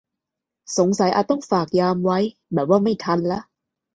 สงสัยอาจต้องฝากยามไว้ แบบว่าไม่ทันแล้ว